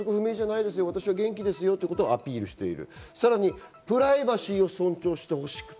私は元気ですよということをアピールしている。